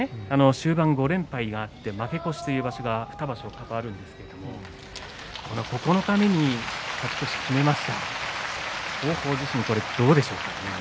終盤５連敗があって負け越しという場所が２場所程あるんですけれど九日目に勝ち越しを決めました。